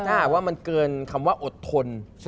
ถ้ามันเกินคำว่าอดทน